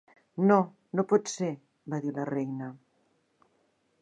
"No, no pot ser", va dir la reina.